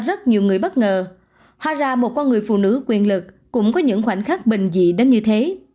có rất nhiều người bất ngờ hoa ra một con người phụ nữ quyền lực cũng có những khoảnh khắc bình dị đến như thế